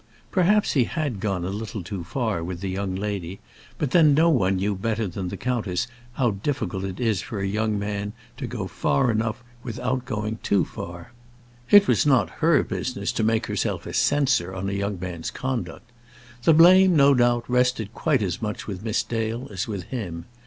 Perhaps he had gone a little too far with the young lady; but then no one knew better than the countess how difficult it is for a young man to go far enough without going too far. It was not her business to make herself a censor on a young man's conduct. The blame, no doubt, rested quite as much with Miss Dale as with him.